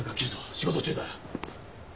仕事中だ。